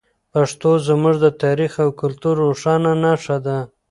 پښتو زموږ د تاریخ او کلتور روښانه نښه ده.